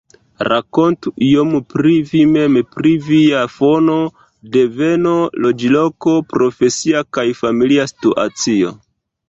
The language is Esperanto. Rakontu iom pri vi mem pri via fono, deveno, loĝloko, profesia kaj familia situacio.